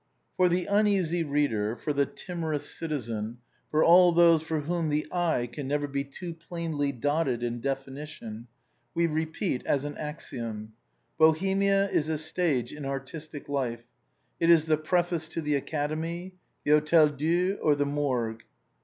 For the uneasy reader, for the timorous citizen, for all those for whom an i can never be too plainly dotted in a definition, we repeat as an axiom :" Bohemia is a stage in artistic life; it is the preface to the Academy, the Hôtel Dieu, or the Morgue."